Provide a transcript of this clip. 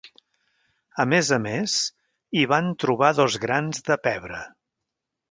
A més a més, hi van trobar dos grans de pebre.